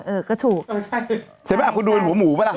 เออก็ถูกเออใช่ไหมคุณดูเป็นหัวหมูปะล่ะ